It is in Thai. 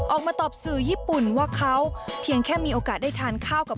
ออกมาตอบสื่อญี่ปุ่นว่าเขาเพียงแค่มีโอกาสได้ทานข้าวกับ